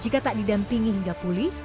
jika tak didampingi hingga pulih